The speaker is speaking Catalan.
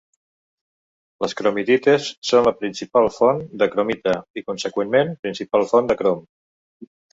Les cromitites són la principal font de cromita i conseqüentment principal font de crom.